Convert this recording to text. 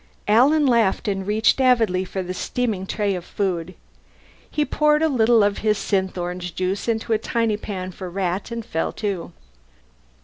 Alan laughed and reached avidly for the steaming tray of food. He poured a little of his synthorange juice into a tiny pan for Rat, and fell to.